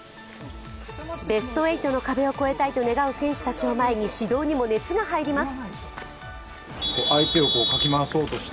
ベスト８の壁を越えたいと願う選手たちを前に指導にも熱が入ります。